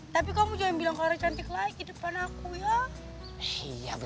tapi kamu jangan bilang kalau cantik lagi depan aku ya siap